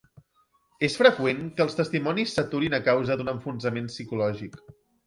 És freqüent que els testimonis s'aturin a causa d'un enfonsament psicològic.